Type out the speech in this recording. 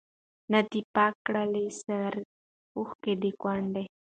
نه دي پاکي کړلې سرې اوښکي د کونډي